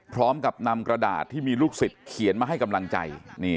พร้อมกับนำกระดาษที่มีลูกศิษย์เขียนมาให้กำลังใจ